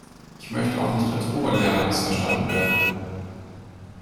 Ich möchte auch nicht als Oberlehrer missverstanden werden.